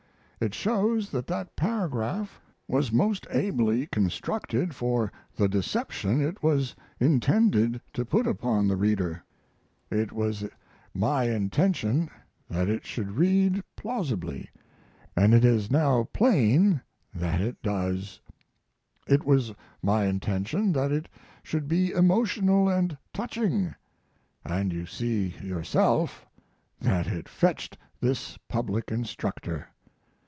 It shows that that paragraph was most ably constructed for the deception it was intended to put upon the reader. It was my intention that it should read plausibly, and it is now plain that it does; it was my intention that it should be emotional and touching, and you see yourself that it fetched this public instructor.